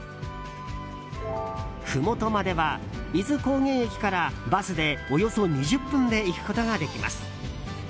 ふもとまでは伊豆高原駅からバスでおよそ１０分で行くことができます。